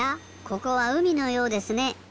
ここはうみのようですね。